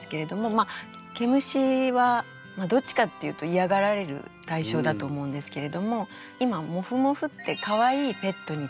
まっ「毛虫」はどっちかっていうとイヤがられる対象だと思うんですけれども今「もふもふ」ってかわいいペットに使われたりしますよね。